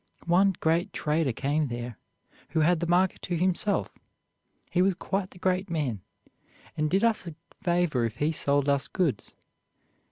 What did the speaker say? One great trader came there, who had the market to himself: he was quite the great man, and did us a favor if he sold us goods.